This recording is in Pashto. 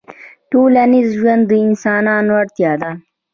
ټولنیز ژوند د انسانانو اړتیا ده